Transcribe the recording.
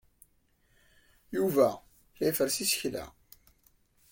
Yuba la iferres isekla.